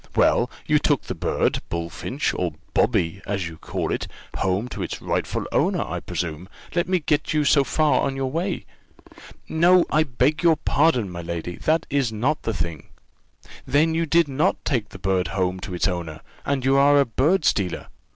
Well, you took the bird, bullfinch, or Bobby, as you call it, home to its rightful owner, I presume? Let me get you so far on your way." "No, I beg your pardon, my lady, that is not the thing." "Then you did not take the bird home to its owner and you are a bird stealer?